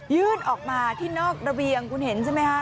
ยื่นออกมาที่นอกระเบียงคุณเห็นใช่ไหมคะ